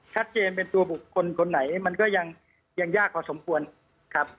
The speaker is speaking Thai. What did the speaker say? ชัดเจนเป็นตัวบุคคลคนไหนมันก็ยังยากพอสมควรครับ